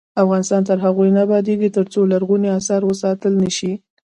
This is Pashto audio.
افغانستان تر هغو نه ابادیږي، ترڅو لرغوني اثار وساتل نشي.